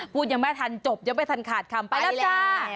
ยังไม่ทันจบยังไม่ทันขาดคำไปแล้วจ้า